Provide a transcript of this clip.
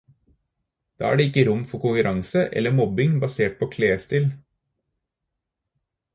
Da er det ikke rom for konkurranse eller mobbing basert på klærstil.